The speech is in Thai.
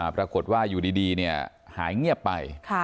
ปรากฏว่าอยู่ดีหายเงียบไป